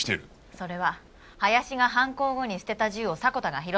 それは林が犯行後に捨てた銃を迫田が拾った。